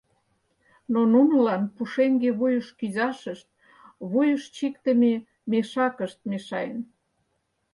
Но нунылан пушеҥге вуйыш кӱзашышт вуйыш чиктыме мешакышт мешаен.